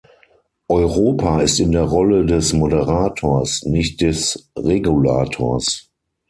Europa ist in der Rolle des Moderators, nicht des Regulators.